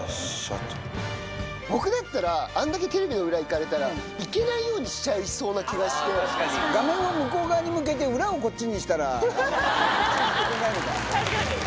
僕だったら、あんだけテレビの裏行かれたら、行けないようにしちゃいそうな気画面を向こう側に向けて、裏をこっちにしたら。